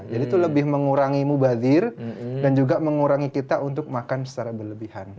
jadi itu lebih mengurangi mubadhir dan juga mengurangi kita untuk makan secara berlebihan